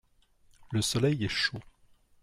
Le soleil est chaud.